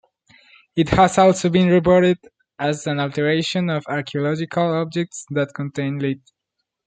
It has also been reported as an alteration of archaeological objects that contain lead.